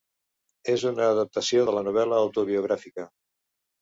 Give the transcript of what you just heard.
És una adaptació de la novel·la autobiogràfica.